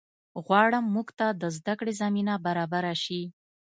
غواړم مونږ ته د زده کړې زمینه برابره شي